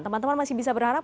teman teman masih bisa berharap